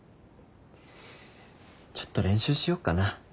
ちょっと練習しよっかな。